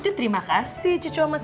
aduh terima kasih cucu sama saya